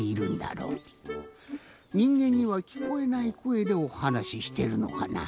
にんげんにはきこえないこえでおはなししてるのかな。